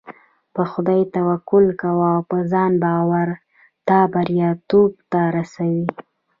په خدای توکل کوه او په ځان باور تا برياليتوب ته رسوي .